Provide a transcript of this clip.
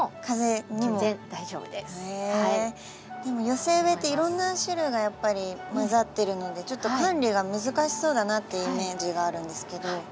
寄せ植えっていろんな種類がやっぱり混ざってるのでちょっと管理が難しそうだなってイメージがあるんですけど。